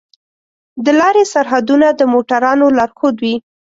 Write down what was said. د لارې سرحدونه د موټروانو لارښود وي.